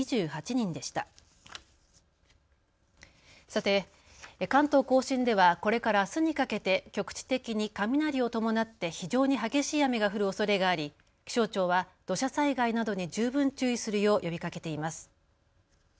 さて関東甲信ではこれからあすにかけて局地的に雷を伴って非常に激しい雨が降るおそれがあり気象庁は土砂災害などに十分注意するよう呼びかけています。